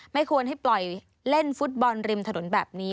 ไม่ควรให้ปล่อยเล่นฟุตบอลริมถนนแบบนี้